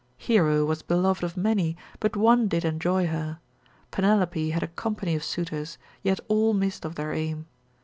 Hero was beloved of many, but one did enjoy her; Penelope had a company of suitors, yet all missed of their aim.